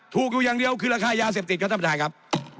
อยู่อย่างเดียวคือราคายาเสพติดครับท่านประธานครับ